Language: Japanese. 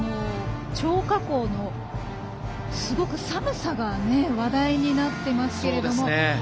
張家口の、すごく寒さが話題になっていますけれども。